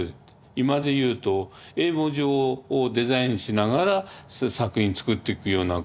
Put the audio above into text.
今で言うと英文字をデザインしながら作品作っていくような感じで。